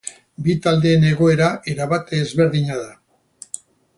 Bi taldeen egoera erabat ezberdina da.